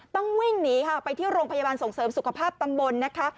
ต้องวิ่งหนีค่ะไปที่โรงพยาบาลส่งเสริมสุขภาพตำบลนะคะ